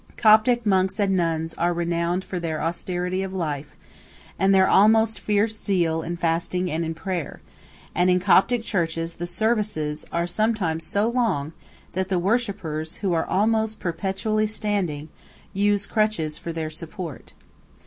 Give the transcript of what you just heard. Coptic monks and nuns are renowned for their austerity of life, and their almost fierce zeal in fasting and in prayer, and in Coptic churches the services are sometimes so long that the worshippers, who are almost perpetually standing, use crutches for their support.